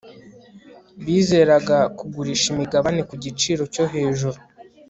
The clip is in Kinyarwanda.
bizeraga kugurisha imigabane ku giciro cyo hejuru